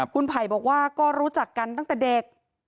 คุณไผ่บอกว่าก็รู้จักกันตั้งแต่เด็ก